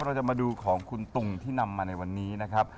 เราจะมาดูของคุณตุงที่นำมาในวันนี้นะครับ